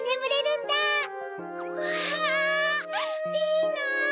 いいな！